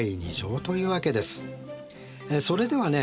それではね